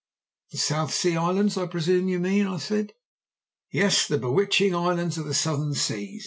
"'The South Sea Islands, I presume you mean?' I said. "'Yes; the bewitching islands of the Southern Seas!